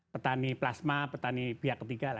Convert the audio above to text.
petani plasma petani pihak ketiga